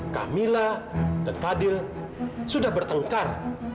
camilla dan fadil sudah bertengkar